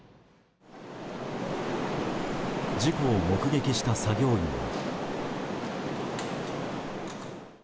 事故を目撃した作業員は。